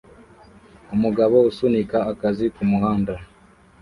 Umugabo usunika akazi kumuhanda